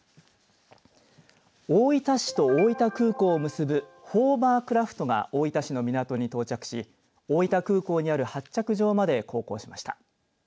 大分市と大分空港を結ぶホーバークラフトが大分市の港に到着し大分空港にある発着場まで航行しました。